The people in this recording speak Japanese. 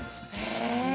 へえ！